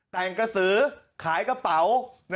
แต่งกระสือขายกระเป๋า